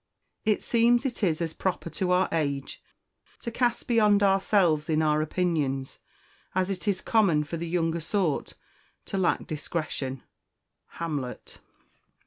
"It seems it is as proper to our age To cast beyond ourselves in our opinions, As it is common for the younger sort To lack discretion." _Hamlet.